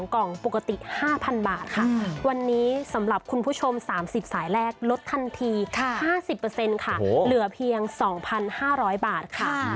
กล่องปกติ๕๐๐บาทค่ะวันนี้สำหรับคุณผู้ชม๓๐สายแรกลดทันที๕๐ค่ะเหลือเพียง๒๕๐๐บาทค่ะ